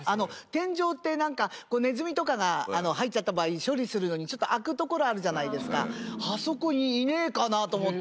天井ってネズミとかが入っちゃった場合処理するのに開くところあるじゃないですかあそこにいねえかなと思って。